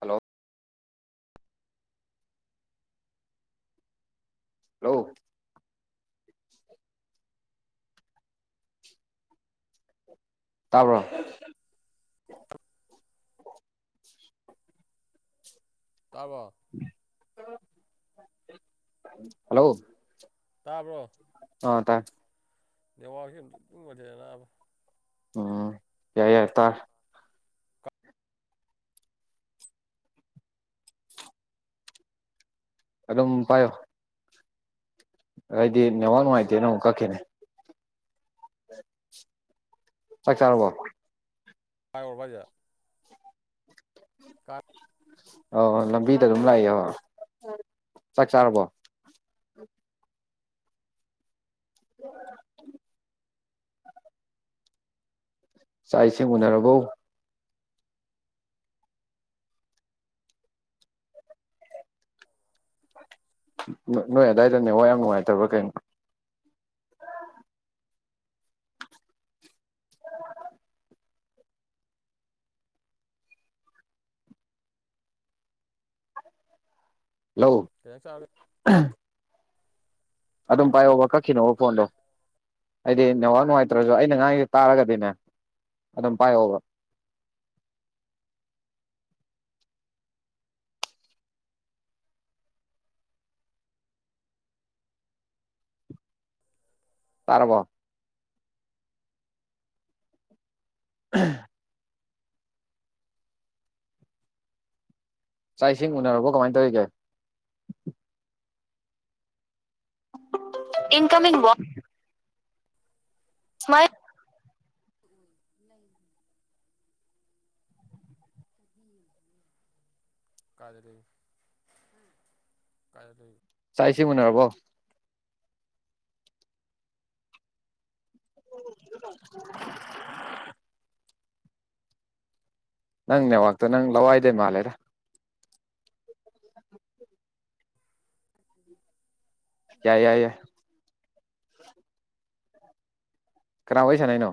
hello hello ꯇꯥꯕ꯭ꯔꯣ ꯇꯥꯔꯕꯣ [inaudible] hello ꯇꯥꯕ꯭ꯔꯣ ꯑ ꯇꯥꯏ ꯅꯦꯋꯥꯛꯁꯦ ꯏꯅꯨꯡ ꯅꯨꯪꯉꯥꯏꯇꯦ ꯅꯥꯕ ꯎꯝ ꯌꯥꯏ ꯌꯥꯏ ꯇꯥꯔꯦ ꯀꯥꯏ ꯑꯗꯨꯝ ꯄꯥꯏꯌꯣ ꯑꯩꯗꯤ ꯅꯦꯋꯥꯥꯛ ꯅꯨꯡꯉꯥꯏꯇꯦꯅ ꯑꯃꯨꯛ ꯀꯛꯈꯤꯅꯦ ꯆꯥꯛꯆꯥꯔꯕꯣ ꯀꯥꯏꯔꯨꯔꯕ ꯍꯥꯏꯖꯦ ꯀꯥ ꯑ ꯂꯝꯕꯤꯗ ꯑꯗꯨꯝ ꯂꯥꯛꯏꯌꯦ ꯍꯣꯢ ꯆꯥꯛ ꯆꯥꯔꯕꯣ [inaudible] ꯆꯥꯛ ꯏꯁꯤꯡ ꯎꯅꯔꯕꯣ ꯅꯣꯏ ꯑꯗꯥꯏꯗꯣ ꯅꯦꯋꯥꯛ ꯌꯥꯝ ꯅꯨꯡꯉꯥꯏꯇꯕ꯭ꯔ ꯀꯩꯅꯣ ꯂꯣ ꯀꯩꯖꯥꯡ ꯆꯥꯔꯒꯦ ꯑꯗꯨꯝ ꯄꯥꯏꯌꯣꯕ ꯀꯛꯈꯤꯅꯣꯕ ꯐꯣꯟꯗꯣ ꯑꯩꯗꯤ ꯅꯦꯋꯥꯥꯛ ꯅꯨꯡꯉꯥꯏꯇ꯭ꯔꯁꯨ ꯑꯩꯅ ꯉꯥꯡꯁꯦ ꯇꯥꯔꯒꯗꯤꯅꯦ ꯑꯗꯨꯝ ꯄꯥꯏꯌꯣꯕ [inaudible] ꯇꯥꯔꯕꯣ [unintelligible] ꯆꯥꯛ ꯏꯁꯤꯡ ꯎꯅꯔꯕꯣ ꯀꯃꯥꯏꯅ ꯇꯧꯔꯤꯒꯦ ꯏꯟꯀꯃꯤꯡ ꯃꯥꯏ [unintelligible] ꯀꯥꯗꯔꯤ [unintelligible] ꯀꯥꯏ ꯆꯥꯏꯁꯤꯕꯨ ꯎꯅꯔꯕꯣ [unintelligible] ꯅꯪ ꯅꯦꯋꯥꯛꯇꯣ ꯅꯪ ꯂꯋꯥꯏꯗꯩ ꯃꯥꯜꯂꯦꯔꯥ ꯑꯗꯨ ꯀꯌꯥꯏ ꯌꯥꯏ ꯌꯥꯏ ꯀꯟꯅꯥ ꯋꯥꯏ ꯁꯥꯟꯅꯩ ꯍꯥꯏꯅꯣ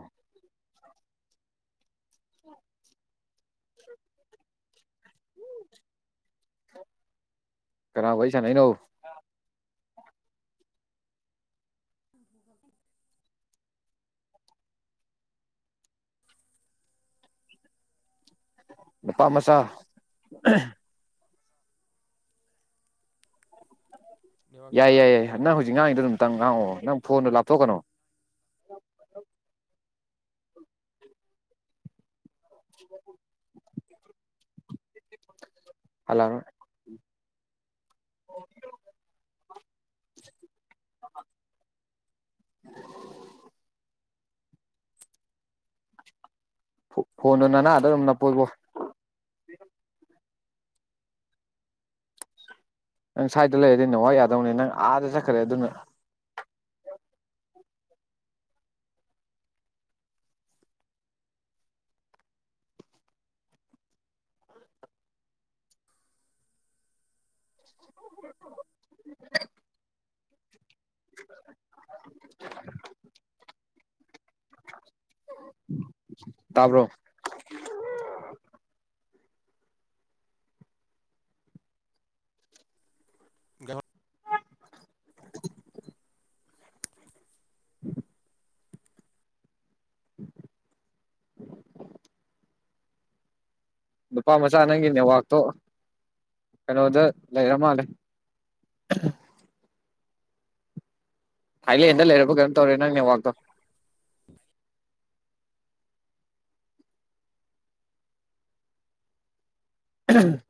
ꯀꯅꯥ ꯋꯥꯏ ꯁꯥꯅꯩꯅꯣ ꯎ ꯅꯨꯄꯥ ꯃꯆꯥ ꯅꯦꯠꯋꯥꯛꯁꯨ ꯁꯨꯡꯌꯥ ꯌꯥꯏꯌꯦ ꯌꯥꯗ꯭ꯔꯦ ꯌꯥꯏ ꯀꯃꯥꯏꯅ ꯌꯥꯏ ꯀꯩꯅꯣ ꯅꯪ ꯈꯪꯗꯦ ꯍꯧꯖꯤꯛ ꯉꯥꯡꯉꯤꯗꯨꯣ ꯑꯗꯨꯝꯇꯪ ꯉꯥꯡꯉꯛꯑꯣ ꯅꯪ ꯐꯣꯟꯗꯣ ꯂꯥꯞꯊꯣꯛꯀꯅꯣ ꯑ ꯑꯂ ꯑ ꯑ ꯐꯣꯟꯗꯣ ꯅꯅꯥꯗ ꯑꯗꯨꯝ ꯅꯞꯄꯣ ꯏꯕꯣ ꯅꯪ ꯁ꯭ꯋꯥꯏꯗ ꯂꯩꯔꯗꯤ ꯅꯦꯋꯥꯛ ꯌꯥꯗꯧꯅꯤ ꯅꯪ ꯑꯥꯗ ꯆꯠꯈ꯭ꯔꯦ ꯑꯗꯨꯅ [unintelligible] [unintelligible] ꯇꯥꯕ꯭ꯔꯣ [unintelligible] ꯅꯨꯄꯥ ꯃꯆꯥ ꯅꯪꯒꯤꯅꯦꯋꯥꯛꯇꯣ ꯀꯩꯅꯣꯗ ꯂꯩꯔ ꯃꯥꯜꯂꯦ ꯊꯥꯏꯂꯦꯟꯗ ꯂꯩꯏꯔꯕ ꯀꯩꯅꯣꯝ ꯇꯧꯔꯦ ꯅꯪꯒꯤ ꯅꯦꯠꯋꯥꯥꯛꯗꯣ ꯑꯝ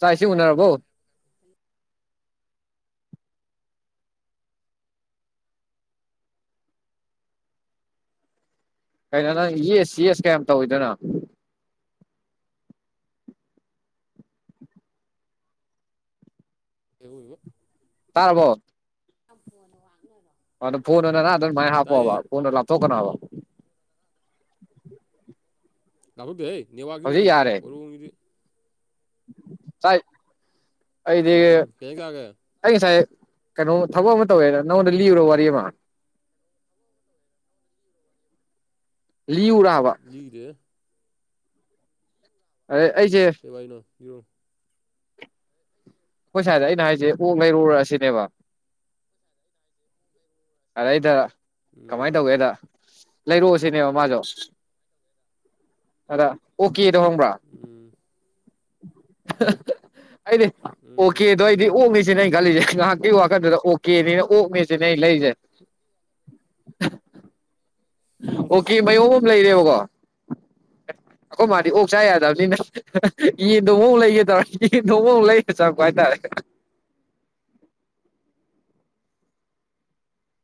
ꯆꯥꯏꯁꯤ ꯎꯅꯔꯔꯕꯣ ꯀꯩꯅꯣ ꯅꯪ ꯌꯦꯁ ꯌꯦꯁ ꯀꯌꯥꯝ ꯇꯧꯋꯤꯗꯅ ꯍꯉ [unintelligible] ꯇꯥꯔꯕꯣ ꯑ ꯐꯅ ꯋꯥ ꯑꯗꯣ ꯐꯣꯟꯅ ꯅꯥꯅꯥ ꯃꯩ ꯇꯥꯏꯌꯦ ꯍꯥꯞꯄꯣꯕ ꯐꯣꯟ ꯂꯥꯞꯊꯣꯛꯀꯅꯣꯕ ꯂꯥꯛꯍꯧꯗꯦꯍꯦ ꯅꯦꯠꯋꯥꯛ ꯅꯅꯦ ꯁꯥꯏ ꯑꯩꯗꯤ ꯎꯝ ꯀꯩ ꯏꯟꯖꯥꯡ ꯆꯥꯔꯒꯦ ꯑꯩ ꯁꯥꯏ ꯀꯩꯅꯣ ꯊꯕꯛ ꯑꯃ ꯇꯧꯋꯦꯗ ꯅꯉꯣꯟꯗ ꯂꯤꯕ꯭ꯔꯣ ꯋꯥꯔꯤ ꯑꯃ ꯂꯤꯎꯔꯕ ꯂꯤꯗꯦꯍꯦ ꯑꯗꯦ ꯀꯕꯥꯏꯅꯣ ꯌꯔꯣ [unintelligible] ꯑꯩꯈꯣꯏ ꯁꯥꯏꯗ ꯑꯩꯅ ꯍꯥꯏꯁꯦ ꯑꯣꯛ ꯂꯩꯔꯛꯎꯔ ꯑꯁꯤꯅꯦꯕ ꯑꯗꯩꯗ ꯎꯝ ꯀꯃꯥꯏꯅ ꯇꯧꯒꯦꯗ ꯂꯩꯥꯏꯔꯑꯣꯁꯤꯅꯦ ꯃꯥꯖꯣ ꯑꯗ ꯑꯣ ꯀꯦꯗ ꯍꯣꯡꯕ꯭ꯔꯥ ꯎꯝ ꯑꯩꯗꯤ ꯎꯝ ꯑꯣꯀꯦꯗꯣ ꯑꯩꯗꯤ ꯑꯣꯛ [unintelligible] ꯁꯤ ꯅꯪ ꯈꯜꯂꯤꯁꯦ ꯉꯥꯏꯍꯥꯛꯀꯤ ꯋꯥꯈꯟꯗꯨꯗ ꯑꯣꯛꯀꯦꯅꯤꯅ ꯑꯣꯛꯅꯦꯁꯤ ꯅꯪ ꯂꯩꯁꯦ [unintelligible] ꯎꯝ ꯑꯣꯀꯦ ꯃꯌꯣꯝ ꯑꯃ ꯂꯩꯔꯦꯕꯀꯣ ꯑ ꯑꯩꯈꯣꯏ ꯃꯥꯗꯤ ꯑꯣꯛ ꯆꯥ ꯌꯥꯗꯕꯅꯤꯅ ꯌꯦꯟꯗꯣ ꯑꯃꯨꯛ ꯂꯩꯒꯦ ꯇꯧꯔ ꯌꯦꯟꯗꯣ ꯃꯛ ꯂꯩꯔ ꯆꯪꯉꯄ ꯍꯥꯏꯇꯥꯔꯦ ꯑ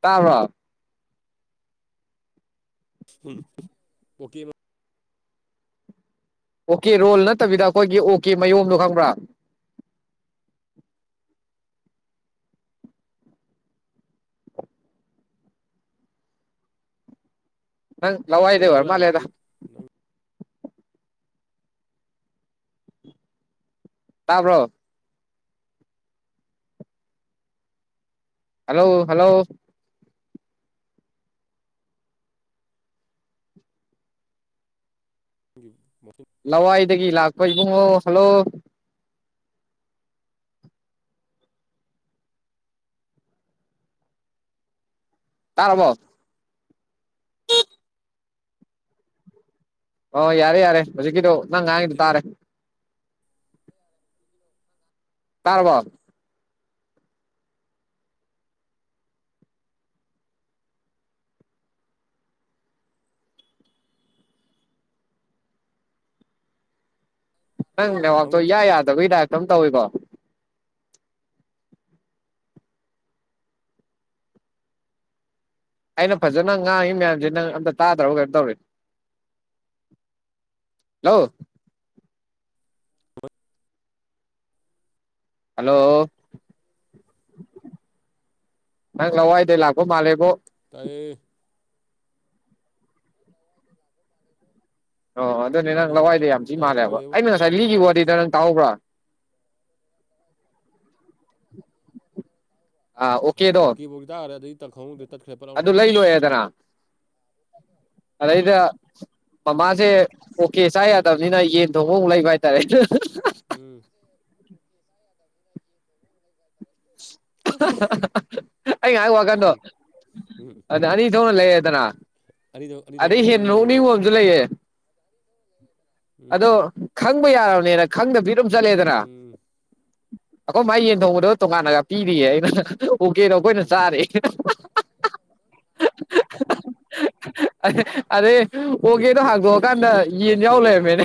ꯇꯥꯕ ꯎ ꯄꯀꯤ ꯑꯣꯀꯦ ꯔꯣꯜ ꯅꯠꯇꯕꯤꯗ ꯑꯩꯈꯣꯏꯒꯤ ꯑꯣ ꯀꯦ ꯃꯌꯣꯝꯗꯣ ꯈꯪꯕ꯭ꯔꯥ ꯑ ꯅꯪ ꯂꯋꯥꯏꯗꯦ ꯑꯗꯨꯝ ꯍꯥꯏꯔꯛꯑꯣ ꯑꯣꯏꯔ ꯌꯥꯔꯦ ꯃꯥꯜꯂꯦꯗ ꯇꯥꯕ꯭ꯔꯣ ꯍꯜꯂꯣ ꯍꯜꯂꯣ [unintelligible] ꯂꯋꯥꯏꯗꯒꯤ ꯂꯥꯛꯄ ꯏꯕꯨꯡꯉꯣ ꯍꯜꯂꯣ ꯇꯥꯔꯔꯕꯣ ꯑꯣ ꯌꯥꯔꯦ ꯌꯥꯔꯦ ꯍꯧꯖꯤꯛꯀꯤꯗꯣ ꯅꯪ ꯌꯥꯝ ꯉꯥꯡꯒꯤꯗꯣ ꯊꯤꯅ ꯇꯥꯔꯦ ꯇꯔꯕꯜ ꯅꯪ ꯅꯦꯋꯥꯛꯇꯣ ꯑꯃꯨꯛ ꯏ ꯌꯥꯗꯕꯒꯤ ꯗꯥꯏꯞꯇꯝ ꯇꯧꯏꯤꯀꯣ ꯑꯩꯅ ꯐꯖꯅ ꯉꯥꯡꯉꯤ ꯃꯌꯥꯝꯁꯦ ꯅꯪ ꯑꯝꯇ ꯇꯥꯗ꯭ꯔꯕ ꯀꯩꯅꯣ ꯇꯧꯔꯤ ꯍꯜꯂꯣ ꯍꯜꯂꯣ ꯅꯪ ꯂꯋꯥꯏꯗꯩ ꯂꯥꯛꯄ ꯃꯥꯜꯂꯦꯕꯣ ꯍ ꯑꯣ ꯑꯗꯨꯅꯦ ꯅꯪ ꯃꯥꯅꯤ ꯂꯋꯥꯏꯗ ꯗꯥꯏꯔꯦꯛ ꯌꯥꯝ ꯁꯤ ꯗꯥꯏꯔꯦꯛ ꯃꯥꯜꯂꯦꯕ ꯑꯣꯏꯔꯦꯕꯣ ꯑꯩꯅ ꯉꯁꯥꯏ ꯌꯥꯗ꯭ꯔꯦ ꯂꯤꯈꯤꯕ ꯅꯦꯠꯋꯥꯛꯁꯦ ꯋꯥꯗ ꯅꯪ ꯇꯥꯍꯧꯕ꯭ꯔꯥ ꯑꯥ ꯑꯣꯀꯦꯗꯣ ꯑꯣꯀꯤ ꯄꯨꯗꯔꯦ ꯑꯗꯨ ꯇ ꯈꯥꯎꯗꯇ ꯈꯦꯄꯔ ꯑꯗꯨ ꯂꯩ ꯂꯣꯏꯔꯦꯗꯅ ꯑꯗꯩꯗ ꯃꯃꯥꯁꯦ ꯑꯣꯀꯦ ꯆꯥ ꯎꯝ ꯌꯥꯗꯕꯅꯤꯅ ꯌꯦꯟ ꯊꯣꯡ ꯍꯣꯡ ꯂꯩꯕ ꯍꯥꯏꯇꯥꯔꯦ ꯎꯝ ꯑꯁ ꯑꯩ ꯉꯥꯏꯍꯥꯛ ꯋꯥꯀꯟꯗꯣ ꯎꯝ ꯑꯗ ꯑꯅꯤ ꯊꯣꯛꯅ ꯂꯩꯌꯦꯗꯅ ꯑꯅꯤꯊꯣꯛ ꯑꯅꯤꯊꯣꯛ ꯑꯗꯩ ꯍꯦꯟꯅ ꯂꯩꯕꯅꯤꯅꯦ ꯑꯗꯨꯗꯤ ꯅꯣꯛꯅꯤꯡꯕ ꯑ ꯑꯃꯁꯨ ꯂꯩꯌꯦ ꯎꯝ ꯑꯗꯣ ꯈꯪꯕ ꯌꯥꯔꯕꯅꯤꯅ ꯈꯪꯗ ꯄꯤ ꯑꯗꯨꯝ ꯆꯠꯂꯦꯗꯅ ꯎꯝ ꯑꯩꯈꯣꯏ ꯃꯥꯏ ꯌꯦꯟ ꯊꯣꯡꯕꯗ ꯇꯣꯉꯥꯟꯅꯒ ꯄꯤꯔꯤꯌꯦ ꯑꯩꯅ ꯎꯀꯦꯗꯣ ꯑꯩꯈꯣꯏꯅ ꯎꯝ ꯆꯥꯔꯦ ꯑ ꯑꯗꯦ ꯑꯣꯒꯦꯗꯣ ꯍꯥꯡꯗꯣꯛꯑꯀꯥꯟꯗ ꯌꯦꯟ ꯌꯥꯎ ꯋꯥꯔꯤꯗꯤ ꯂꯩꯔꯝꯃꯦꯅꯦ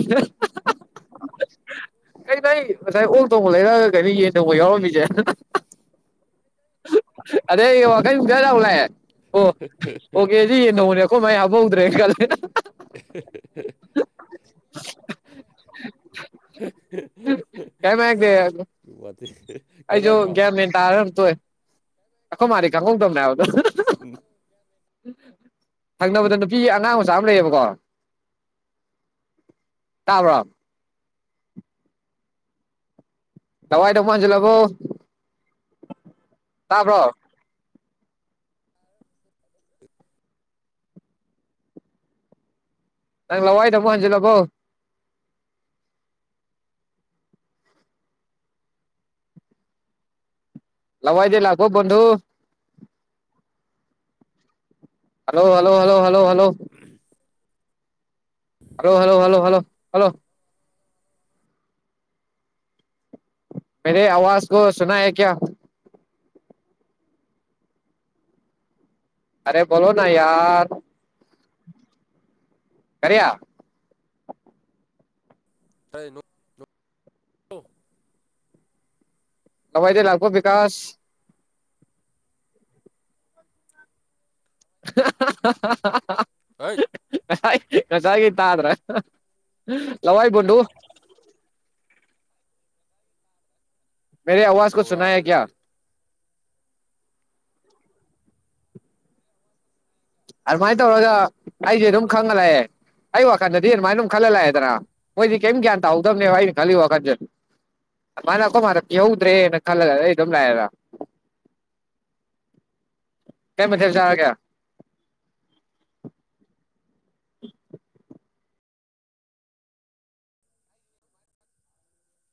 ꯀꯩ ꯀ ꯉꯁꯥꯏ ꯑꯣꯜ ꯇꯣꯡꯉ ꯂꯩꯔ ꯀꯔꯤ ꯌꯦ ꯇꯧꯕ ꯎꯝ ꯌꯥꯎꯔꯝꯃꯤꯁꯦ ꯎꯝ ꯑꯗ ꯋꯥ ꯀꯒ ꯂꯂ ꯑꯣ ꯑꯣꯀꯦꯗꯤ ꯌꯦ ꯅꯧꯅꯦ ꯑꯩꯈꯣꯏ ꯃꯥꯏ ꯍꯥꯕ ꯍꯧꯗ꯭ꯔꯦ ꯈꯂꯦ [unintelligible] ꯀꯩꯝ ꯍꯥꯏꯔꯛꯇꯦ [unintelligible] ꯃꯦ ꯀꯦꯃꯦꯒ꯭ꯔꯣ ꯇꯔ ꯇ ꯑꯈꯣ ꯃꯥꯔꯤꯀꯥꯈꯣ ꯊꯅꯗ ꯊꯪꯅꯕꯗ ꯅꯨꯄꯤ ꯑꯉꯥꯡ ꯃꯆꯥ ꯑꯃ ꯂꯩꯌꯦꯕꯀꯣ ꯇꯥꯕꯔꯝ ꯇꯋꯥꯏ ꯇ ꯐꯁꯤꯂꯕꯣ ꯇꯥꯕ꯭ꯔꯣ ꯅꯪꯂ ꯋꯥꯏꯇ ꯐꯟꯖꯂ ꯄꯣ ꯂꯋꯥꯏꯗꯦ ꯂꯥꯛꯒꯣ ꯟꯗꯨꯨ hello hello hello hello hello hello hello hello hello hello ꯃꯦꯦ ꯑꯋꯥꯖ ꯀ ꯁꯅꯥ ꯍꯥꯏ ꯀꯌꯥ ꯑꯔꯦ ꯐꯣꯂꯣ ꯅ ꯌꯥꯔ ꯀꯔꯤꯌꯥ ꯇ ꯑꯋꯥꯥꯏꯗꯤ ꯂꯥꯛꯀꯣ ꯀꯥꯁ ꯍꯩꯠ [inaudible] ꯈꯆꯒꯤ ꯇ ꯑ꯭ꯔ ꯂꯋꯥ ꯏꯕꯨꯣ ꯃꯦꯔꯤ ꯑꯋꯥꯖ ꯀ ꯂꯧꯔꯥ ꯁꯅꯥꯌꯥ ꯀꯌꯥ ꯁꯤꯗꯤ ꯑꯗꯨꯃꯥꯏꯅ ꯇꯧꯔꯒ ꯑꯩꯁꯦ ꯁꯨꯅꯥ ꯑꯗꯨꯝ ꯁꯨꯅꯥ ꯈꯪꯒ ꯂꯑꯦ ꯑꯩ ꯋꯥꯈꯟꯗꯗꯤ ꯑꯗꯨꯃꯥꯏꯅ ꯑꯗꯨꯝ ꯈꯜꯂ ꯂꯥꯛꯑꯦꯗꯅ ꯃꯣꯏꯗꯤ ꯀꯔꯤꯝ ꯒ꯭ꯌꯥꯟ ꯇꯥꯍꯧꯗꯕꯅꯦꯕ ꯑꯩꯅ ꯈꯜꯂꯤ ꯋꯥꯈꯟꯗꯗꯤ ꯃꯥꯅ ꯑꯩꯀꯣ ꯃꯥꯅꯤ ꯌꯍꯧꯗ꯭ꯔꯦꯅ ꯈꯜꯂꯒ ꯑꯩ ꯑꯗꯨꯝ ꯂꯥꯛꯑꯦꯗ ꯑ ꯀ ꯃꯗꯦ ꯆꯔꯒ [inaudible]